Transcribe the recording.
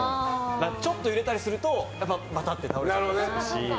ちょっと揺れたりするとバタって倒れちゃいますし。